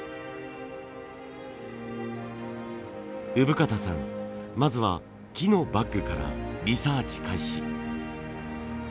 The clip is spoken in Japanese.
生方さんまずは木のバッグからリサーチ開始。